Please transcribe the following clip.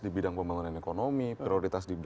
di bidang pembangunan ekonomi prioritas di